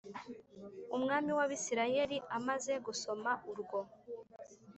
Umwami w Abisirayeli amaze gusoma urwo